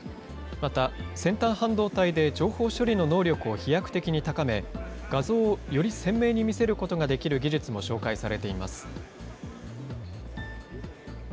また先端半導体で情報処理の能力を飛躍的に高め、画像をより鮮明に見せることができる技術も紹介されています。